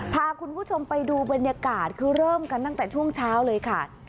พาคุณผู้ชมไปดูบรรยากาศคือเริ่มกันตั้งแต่ช่วงเช้าเลยค่ะ